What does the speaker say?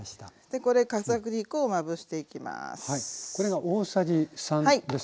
これ片栗粉をまぶしていきます。